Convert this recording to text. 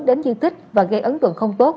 đến dư tích và gây ấn tượng không tốt